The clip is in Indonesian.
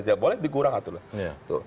tidak boleh dikurang satu hari